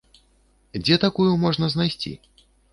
Дзе такую можна знайсці?